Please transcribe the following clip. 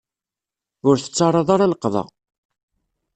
Ur tettaraḍ ara leqḍa.